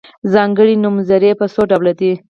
ځانګړي نومځري په څو ډوله دي.